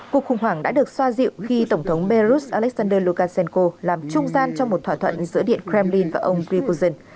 cuộc khủng hoảng đã được xoa dịu khi tổng thống belarus alexander lukashenko làm trung gian cho một thỏa thuận giữa điện kremlin và ông dripolzen